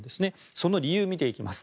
その理由を見ていきます。